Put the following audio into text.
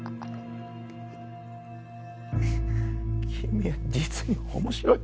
君は実に面白い。